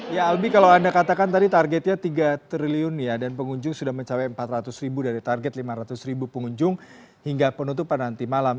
ya albi kalau anda katakan tadi targetnya tiga triliun dan pengunjung sudah mencapai empat ratus ribu dari target lima ratus ribu pengunjung hingga penutupan nanti malam